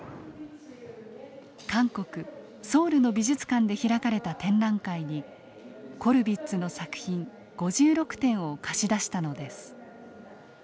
韓国・ソウルの美術館で開かれた展覧会にコルヴィッツの作品５６点を貸し出したのです。